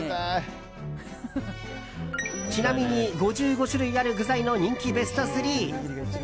ちなみに５５種類ある具材の人気ベスト３。